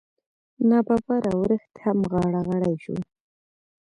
نا ببره ورښت هم غاړه غړۍ شو.